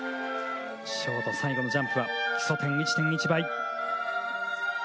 ショート、最後のジャンプは基礎点１．１倍。